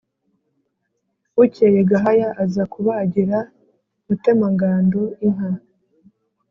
Bukeye Gahaya aza kubagira Mutemangando inka